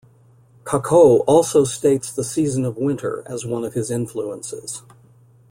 Kakko also states the season of winter as one of his influences.